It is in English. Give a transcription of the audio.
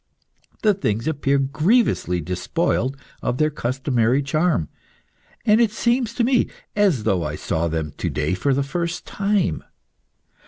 The things appear grievously despoiled of their customary charm, and it seems to me as though I saw them to day for the first time.